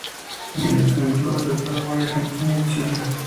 Militó en clubes de Paraguay, Argentina y Chile.